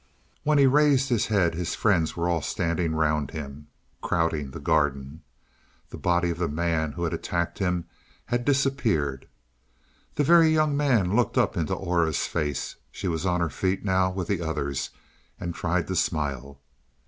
When he raised his head his friends were all standing round him, crowding the garden. The body of the man who had attacked him had disappeared. The Very Young Man looked up into Aura's face she was on her feet now with the others and tried to smile.